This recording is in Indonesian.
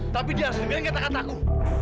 tapi dia harus dengerin kata kataku